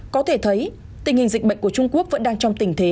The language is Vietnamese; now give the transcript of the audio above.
có thể thấy tình hình dịch bệnh của trung quốc vẫn đang trong tình thế